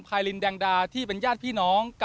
แภนต์ไลน์แดงดาที่เป็นญาติพี่น้อง